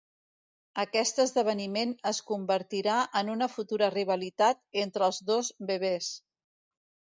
Aquest esdeveniment es convertirà en una futura rivalitat entre els dos bebès.